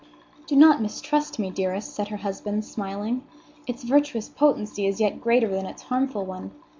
"Do not mistrust me, dearest," said her husband, smiling; "its virtuous potency is yet greater than its harmful one.